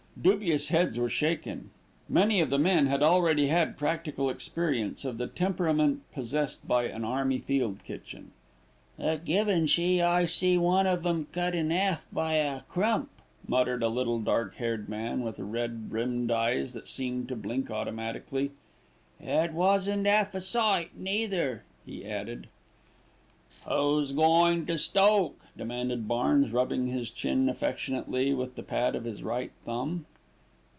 Dubious heads were shaken. Many of the men had already had practical experience of the temperament possessed by an army field kitchen. "At Givenchy I see one of 'em cut in 'alf by a 'Crump,'" muttered a little dark haired man, with red rimmed eyes that seemed to blink automatically. "It wasn't 'alf a sight, neither," he added. "Who's goin' to stoke?" demanded Barnes, rubbing his chin affectionately with the pad of his right thumb.